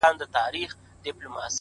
موږ په تيارو كي اوسېدلي يو تيارې خوښـوو!